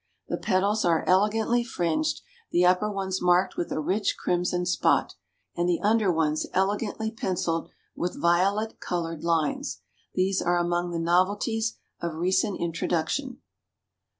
The petals are elegantly fringed, the upper ones marked with a rich crimson spot, and the under ones elegantly penciled with violet colored lines. These are among the novelties of recent introduction.